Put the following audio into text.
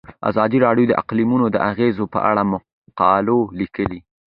ازادي راډیو د اقلیتونه د اغیزو په اړه مقالو لیکلي.